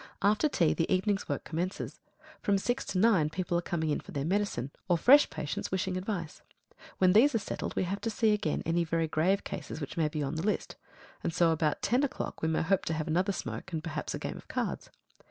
After tea the evening's work commences. From six to nine people are coming in for their medicine, or fresh patients wishing advice. When these are settled we have to see again any very grave cases which may be on the list; and so, about ten o'clock, we may hope to have another smoke, and perhaps a game of cards.